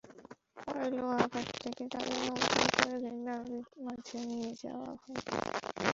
পরে লোহাঘাট থেকে তাঁদের নৌকায় করে মেঘনা নদীর মাঝে নিয়ে যাওয়া হয়।